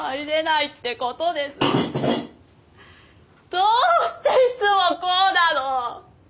どうしていつもこうなの？